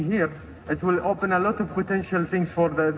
akan membuka banyak hal yang berpotensi bagi pelanggan